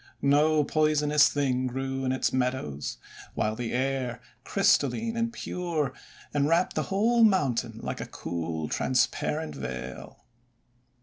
No poisonous thing grew in its meadows; while the air, crystal line and pure, enwrapped the whole mountain like a cool, transparent veil.